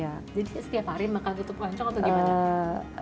jadi setiap hari makan tutuk oncom atau gimana